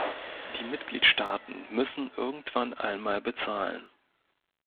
Die Mitgliedstaaten müssen irgendwann einmal bezahlen.